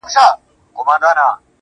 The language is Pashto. o اوس مي د كلي ماسومان ځوروي.